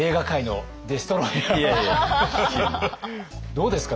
どうですか？